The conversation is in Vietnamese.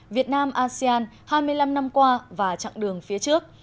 việt nam asean hai mươi năm năm qua và chặng đường phía trước